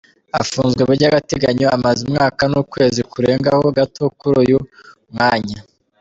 Afunzwe by’agateganyo amaze umwaka n’ukwezi kurengaho gato kuri uyu mwanya.